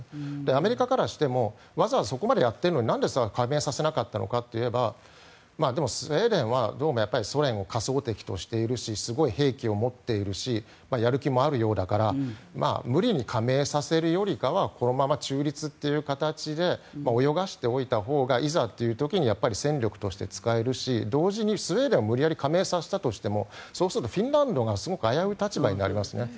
アメリカからしてもわざわざそこまでやっているのになんで加盟させなかったのかといえばでも、スウェーデンはどうもソ連を仮想敵としているしすごい兵器を持っているしやる気もあるようだから無理に加盟させるよりかはこのまま中立という形で泳がしておいたほうがいざという時に戦力として使えるし同時にスウェーデンを無理やり加盟させたとしてもそうするとフィンランドがすごく危うい立場になりますね。